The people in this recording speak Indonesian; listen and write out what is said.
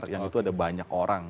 yang itu ada banyak orang